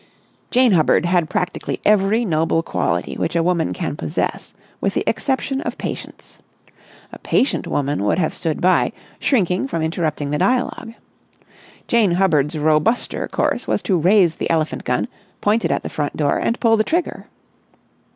Jane Hubbard had practically every noble quality which a woman can possess with the exception of patience. A patient woman would have stood by, shrinking from interrupting the dialogue. Jane Hubbard's robuster course was to raise the elephant gun, point it at the front door, and pull the trigger.